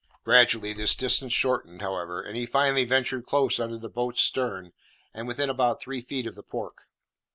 Gradually this distance shortened, however, and he finally ventured close under the boat's stern, and within about three feet of the pork.